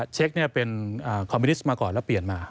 เช็คเป็นคอมมิวนิสต์มาก่อนแล้วเปลี่ยนมา